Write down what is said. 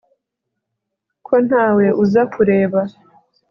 Ko ntawe uza kureba